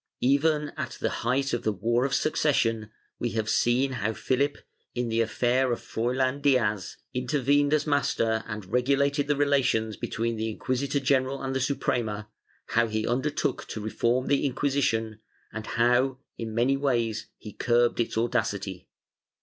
Even at the height of the War of Succession, we have seen how Philip, in the affair of Froilan Diaz, intervened as master and regulated the relations between the inquisitor general and the Suprema, how he undertook to reform the Inquisition and how, in many ways he curbed its audacity.